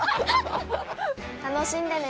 楽しんでね。